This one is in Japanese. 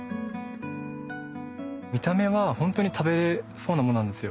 見た目は本当に食べれそうなものなんですよ。